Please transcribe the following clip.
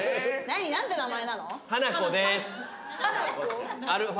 何て名前なの？